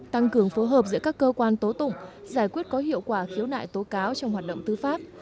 tăng cường phối hợp giữa các cơ quan tố tụng giải quyết có hiệu quả khiếu nại tố cáo trong hoạt động tư pháp